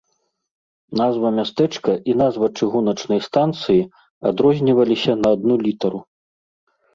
Назва мястэчка і назва чыгуначнай станцыі адрозніваліся на адну літару.